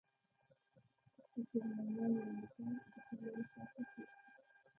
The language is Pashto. د جرمنیانو یو موټر د پله له پاسه تېر شو.